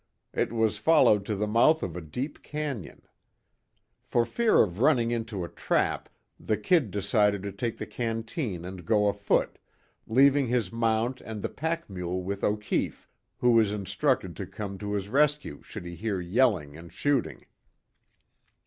It was followed to the mouth of a deep canyon. For fear of running into a trap, the "Kid" decided to take the canteen and go afoot, leaving his mount and the pack mule with O'Keefe, who was instructed to come to his rescue should he hear yelling and shooting.